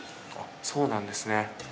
そうなんですね。